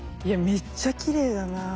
いやめっちゃきれいだな。